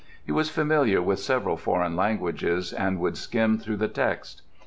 He was familiar with several foreign languages, and would skim through the text.